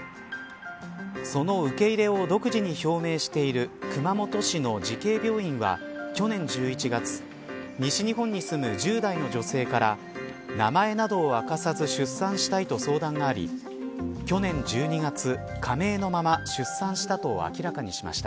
その受け入れを独自に表明している熊本市の慈恵病院は去年１１月西日本に住む１０代の女性から名前などを明かさず出産したいと相談があり去年１２月